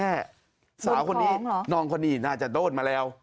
แต่สาวคนนี้น่าจะโดนมาแล้ว